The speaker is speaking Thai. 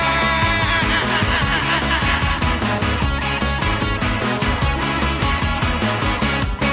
อ่าอ่าอ่าอ่า